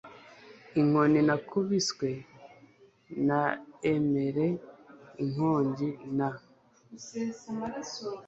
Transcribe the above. inkoni nakubiswe naemere inkonji na